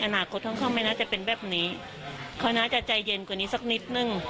อนาคตของเขาไม่น่าจะเป็นแบบนี้เขาน่าจะใจเย็นกว่านี้สักนิดนึง